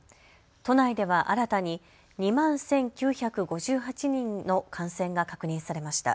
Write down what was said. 都内では新たに２万１９５８人の感染が確認されました。